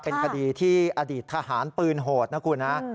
เป็นคดีที่อดีตทหารปืนโหดนะคุณนะ